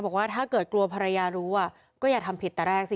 บอกว่าถ้าเกิดกลัวภรรยารู้ก็อย่าทำผิดแต่แรกสิ